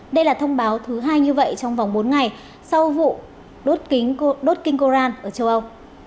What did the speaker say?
đây là thông báo thứ hai như vậy trong vòng bốn ngày sau vụ đốt kinh koran ở châu âu